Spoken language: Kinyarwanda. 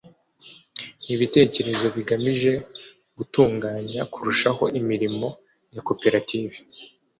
n'ibitekerezo bigamije gutunganya kurushaho imirimo ya koperative